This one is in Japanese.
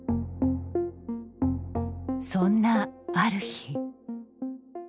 そんなある日。